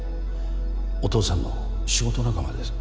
お父さんの仕事仲間です